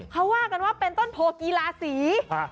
เขาว่ากันว่าเป็นต้นโพกีฬาศรี